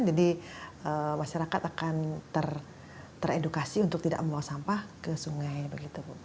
jadi masyarakat akan teredukasi untuk tidak membawa sampah ke sungai